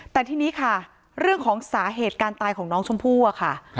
แต่ทีนี้ค่ะเรื่องของสาเหตุการตายของน้องชมพู่อะค่ะ